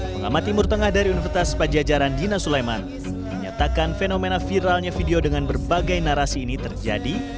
pengamati murtengah dari universitas pajajaran dina sulaiman menyatakan fenomena viralnya video dengan berbagai narasi ini terjadi